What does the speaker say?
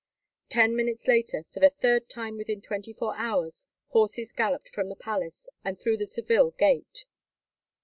Ten minutes later, for the third time within twenty four hours, horses galloped from the palace and through the Seville gate.